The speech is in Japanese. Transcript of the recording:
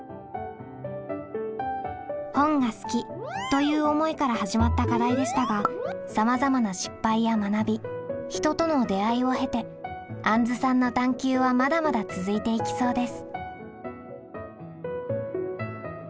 「本が好き」という思いから始まった課題でしたがさまざまな失敗や学び人との出会いを経てあんずさんの探究はまだまだ続いていきそうです。